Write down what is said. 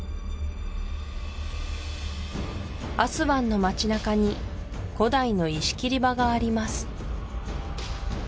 アスワンの町なかに古代の石切り場があります